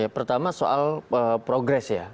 pertama soal progres ya